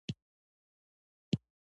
قرغیزان په پامیر کې څنګه ژوند کوي؟